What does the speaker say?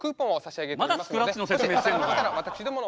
まだスクラッチの説明してんのかよ！